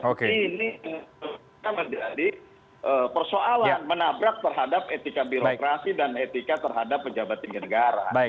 jadi ini akan menjadi persoalan menabrak terhadap etika birokrasi dan etika terhadap pejabat tinggi negara